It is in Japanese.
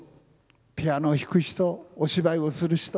ピアノを弾く人お芝居をする人